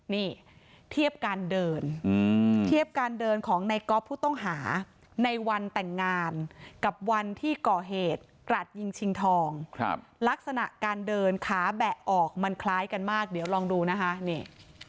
นี่เทียบการเดินเทียบการเดินของในก๊อฟผู้ต้องหาในวันแต่งงานกับวันที่ก่อเหตุกรัดยิงชิงทองลักษณะการเดินขาแบะออกมันคล้ายกันมากเดี๋ยวลองดูนะคะนี่